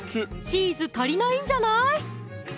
チーズ足りないんじゃない？